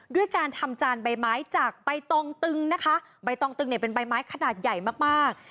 ด้วยการทำจานใบไม้จากใบตองตึงนะคะใบตองตึงเนี่ยเป็นใบไม้ขนาดใหญ่มากมาก